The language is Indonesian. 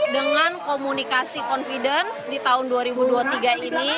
dengan komunikasi confidence di tahun dua ribu dua puluh tiga ini